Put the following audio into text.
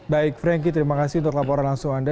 baik franky terima kasih untuk laporan langsung anda